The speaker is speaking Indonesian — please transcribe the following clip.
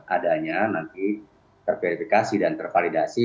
adanya nanti terverifikasi dan tervalidasi